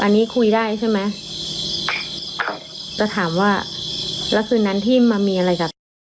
อันนี้คุยได้ใช่ไหมครับจะถามว่าแล้วคืนนั้นที่มามีอะไรกับ